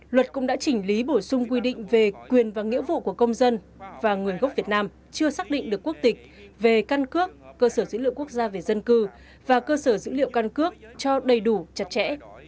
luật cũng đã chỉnh lý bổ sung quy định về quyền và nghĩa vụ của công dân và người gốc việt nam chưa xác định được quốc tịch về căn cước cơ sở dữ liệu quốc gia về dân cư và cơ sở dữ liệu căn cước cho đầy đủ chặt chẽ